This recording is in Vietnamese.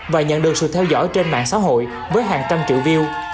và nhận được sự theo dõi trên mạng xã hội với hàng trăm triệu view